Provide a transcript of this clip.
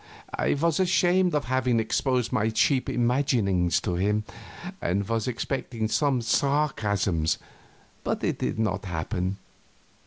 I was ashamed of having exposed my cheap imaginings to him, and was expecting some sarcasms, but it did not happen.